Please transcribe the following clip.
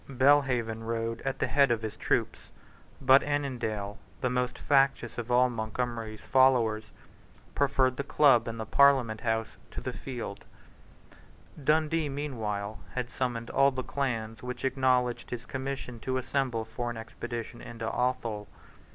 Belhaven rode at the head of his troop: but Annandale, the most factious of all Montgomery's followers, preferred the Club and the Parliament House to the field, Dundee, meanwhile, had summoned all the clans which acknowledged his commission to assemble for an expedition into Athol.